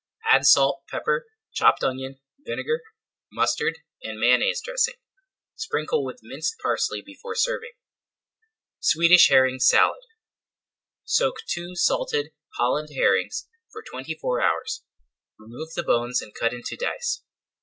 Add salt, pepper, chopped onion, vinegar, mustard and Mayonnaise dressing. Sprinkle with minced parsley before serving. SWEDISH HERRING SALAD Soak two salted Holland herrings for twenty four hours. Remove the bones and cut into dice.